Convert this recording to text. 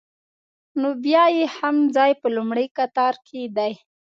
نو بیا یې هم ځای په لومړي قطار کې دی.